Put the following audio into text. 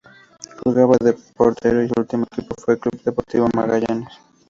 Jugaba de portero y su último equipo fue Club Deportivo Magallanes.